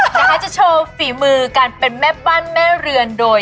นะคะจะโชว์ฝีมือการเป็นแม่บ้านแม่เรือนโดย